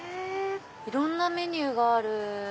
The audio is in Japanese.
いろんなメニューがある。